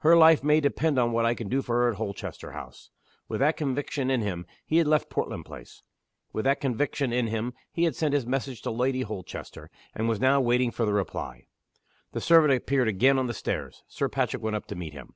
"Her life may depend on what I can do for her at Holchester House!" With that conviction in him, he had left Portland Place. With that conviction in him, he had sent his message to Lady Holchester, and was now waiting for the reply. The servant appeared again on the stairs. Sir Patrick went up to meet him.